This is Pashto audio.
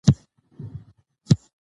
که تعلیم اخلاص وي، نو خیانت نه وي.